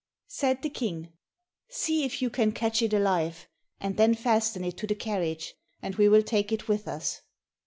Said the King, "See if you can catch it alive, and then fasten it to the carriage, and we will take it with us."